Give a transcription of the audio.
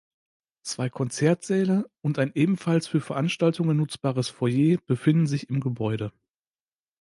Zwei Konzertsäle und ein ebenfalls für Veranstaltungen nutzbares Foyer befinden sich im Gebäude.